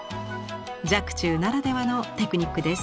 若冲ならではのテクニックです。